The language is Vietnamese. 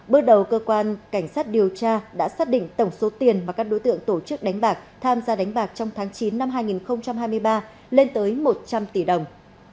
bước đầu cơ quan cảnh sát điều tra đã xác định tổng số tiền mà các đối tượng tổ chức đánh bạc tham gia đánh bạc trong tháng chín năm hai nghìn hai mươi ba lên tới một trăm linh tỷ đồng